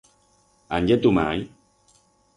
Án ye tu mai?